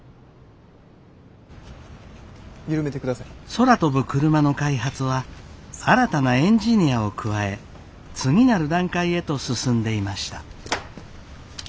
空飛ぶクルマの開発は新たなエンジニアを加え次なる段階へと進んでいました。